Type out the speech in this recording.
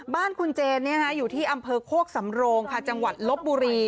บ้านคุณเจนอยู่ที่อำเภอโคกสำโรงค่ะจังหวัดลบบุรี